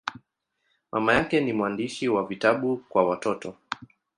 Mama yake ni mwandishi wa vitabu kwa watoto.